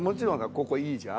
ここイイじゃん。